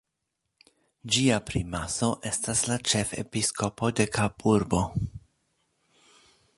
Ĝia primaso estas la ĉefepiskopo de Kaburbo.